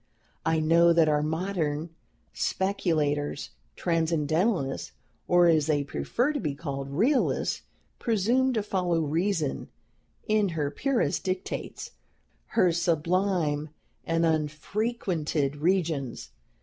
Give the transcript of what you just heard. I know that our modern speculators, Transcendentalists, or, as they prefer to be called, Realists, presume to follow Reason in her purest dictates, her sublime and unfrequented regions.